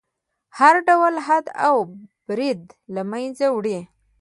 هر ډول حد او برید له منځه وړي.